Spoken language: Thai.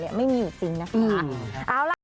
ไม่มีอยู่จริงนะคะ